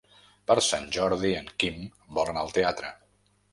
Per Sant Jordi en Quim vol anar al teatre.